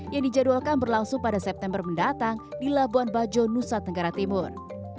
yang dijadwalkan berlangsung pada september mendatang di labuan bajo nusa tenggara timur